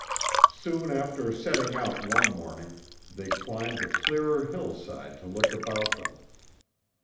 Soon after setting out one morning, they climbed a clearer hillside to look about them.